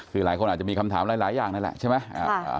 คือหลายคนอาจจะมีคำถามหลายอย่างนั่นแหละใช่ไหม